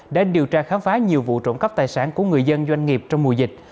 đã điều tra khám phá nhiều vụ trộm cắp tài sản của người dân doanh nghiệp trong mùa dịch